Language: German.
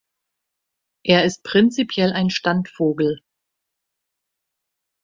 Er ist prinzipiell ein Standvogel.